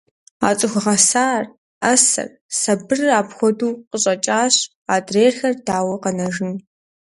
А цӀыху гъэсар, Ӏэсэр, сабырыр апхуэдэу къыщӀэкӀащ, адрейхэр дауэ къэнэжын?